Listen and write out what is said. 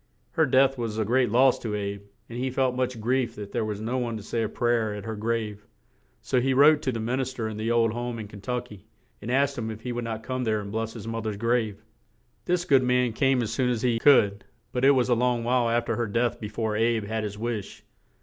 Her death was a great loss to "Abe," and he felt much grief that there was no one to say a pray er at her grave; so he wrote to the min is ter in the old home in Ken tuck y, and asked him if he would not come there and bless his moth er's grave. This good man came as soon as he could, but it was a long while af ter her death be fore "Abe" had his wish.